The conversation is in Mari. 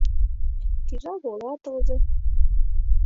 Кӱза-вола тылзе.